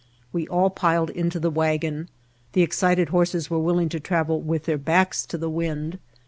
We all piled into the wagon. The excited horses were willing to travel with their backs to the wind.